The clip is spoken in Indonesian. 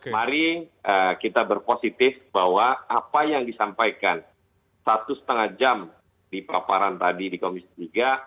mari kita berpositif bahwa apa yang disampaikan satu setengah jam di paparan tadi di komisi tiga